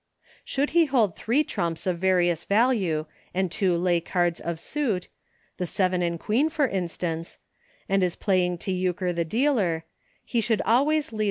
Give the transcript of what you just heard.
118 EUCHRE. Should he hold three trumps of various value and two lay cards of suit, — the seven and Queen for instance — and is playing to Euchre the dealer, he should always lead.